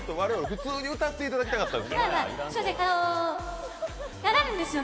普通に歌っていただきたかったんですよ。